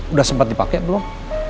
udah sempat dipake belum